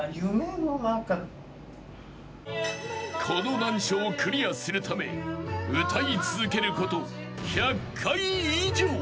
［この難所をクリアするため歌い続けること］